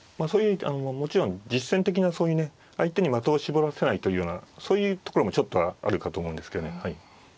もちろん実戦的なそういうね相手に的を絞らせないというようなそういうところもちょっとはあるかと思うんですけどね。